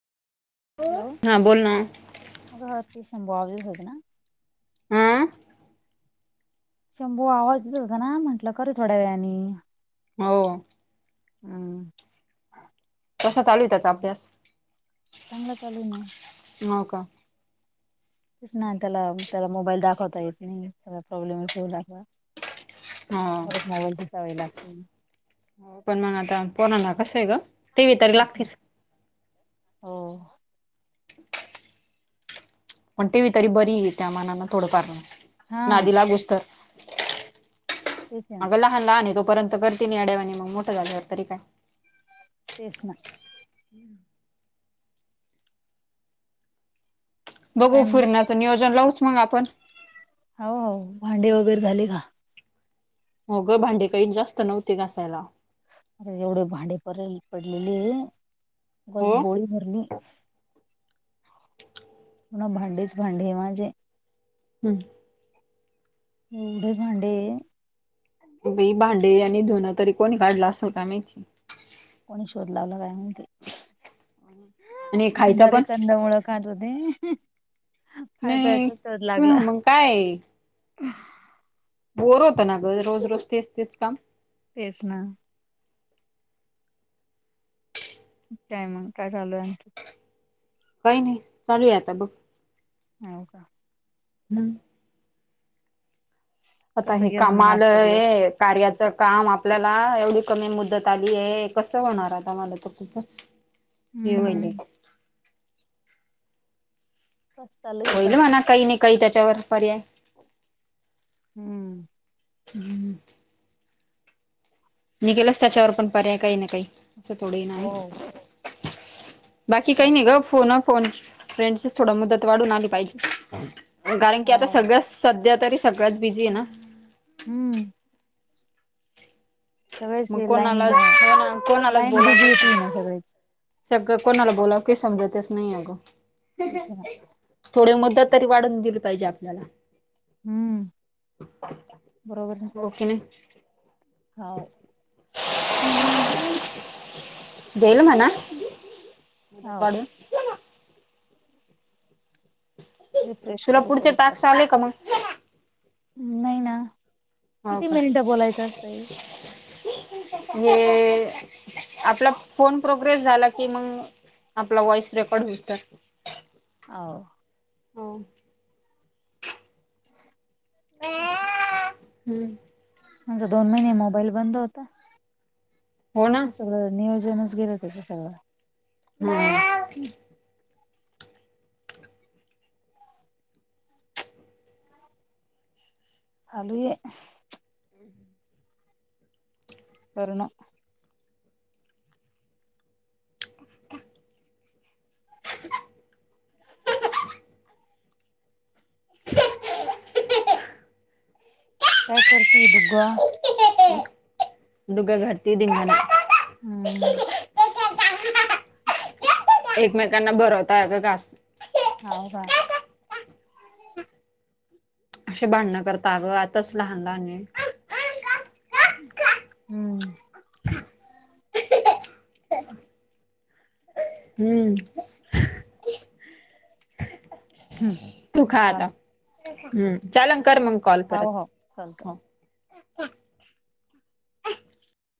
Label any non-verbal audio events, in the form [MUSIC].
हम. हा बोल ना. माझं वाटतयं शंभो. आज दिवसच ना. हा. शंभो आवाज देऊन राहिला ना. म्हटलं खरंच रडलं आणि हो. हम. कसा चालू आहे त्याचा अभ्यास? चांगला चालू आहे ना. हो का. तेच ना त्याला त्याला मोबाईल दाखवता येत नाही त्याला खेळवल्या शिवाय दाख हा. मोबाईलचा टॉवेल असेल. पण म्हणालता, पोरांना कसं आहे गं. टी वी तर तेच ना लागतीच हो. पण टी वी तरी बरी त्यामानान थोड फार हा नादी लागुसतर. तेच आहे ना आग लहान लहान आहे तोपर्यंत करतील येड्यावाणी मग मोठ झाल्यावरती काय. तेच ना. बघू. काय मग फूरणाच नियोजन लावूच मग आपण. हो हो. भांडे वगैरे झाले का? हो गं. भांडे काही जास्त नव्हते घासायला. अरे एवढे भांडे परईत पडलेले. उगाच हो बाउल भरली. पुन्हा भांडेच भांडे म्हणजे. हम्म. एवढे भांडे एवढे भांडे आणि धुण तरी कोण काढलं असल काय माहिती. कोणी शोध लावला काय माहिती? आणि खायचा बरे पण कंदमुळं खात होते. खाय नाही प्यायचा शोध लागला. मग काय? बोअर होतं ना ग. रोज रोज तेच तेच काम. तेच ना. काय मग, काय चालू आहे? काय नाही चालू आहे आता बघ. हो का. हम्म. आता कसं मी गेला कामा मग आजचा दिवस आलोय. कार्याचं काम आपल्याला एवढी कमी मुदत आली आहे. कसं होणार आता मला तर बघ हे व्हायलय. हम्म कसं चालू आहे. होईल बाकी म्हणा काही नाही काही त्याच्यावर पर्याय. हम्म. हम्म. निघेलच त्याच्यावर पण पर्याय काही ना काही असं थोडं ना हाय. हो बाकी काही चाल नाही गं फोन अ फोन फ्रेंडची थोडं मुदत वाढून आली पाहिजे. कारण की हो आता सगळं सध्या तरी सगळंच बिझी आहे ना. हम्म. सगळेच मग लाईन कोणाला [UNINTELLIGIBLE] कोणालाच लाईन बिझी बोलाचं. येते ना सगळेच [UNINTELLIGIBLE] सगळं कोणाला बोलावं की समजातेच नाहीये गं. तेच ना. थोडी मुद्दत तरी वाढून दिली पाहिजे आपल्याला. हम्म बरोबर आहे. की नाय. हाव. देईल म्हणा [UNINTELLIGIBLE] हो वाढून. रिफ्रेश तुला करू पुढचे करू टाक्स पर्स आले का मग? नाही ना. हाव किती का. मिनिटं बोलायचं असतंय हे आपला फोन प्रोग्रेस झाला की मंग आपला वॉइस रेकॉर्ड होतं. आव हो. तेस ना. हम्म. आमचा दोन महिने मोबाईल बंद होता हो ना असं सगळं नियोजनच गेल तशे सांगा [UNINTELLIGIBLE] चालूये [INAUDIBLE] करनं काय करती डुग्गुआ? डुग्गया घरती. [UNINTELLIGIBLE] हम्म. एकमेकांना बरवताय का कास हाव बा. अशे भांडणं करता अगं आताच लहान-लहान आहे. हम्म. हम्म. हम्म. तू खा आता चाल हम्म चालन कर मंग कॉल परत. चालतं हो